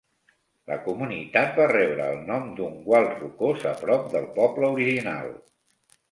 La comunitat va rebre el nom d'un gual rocós a prop del poble original.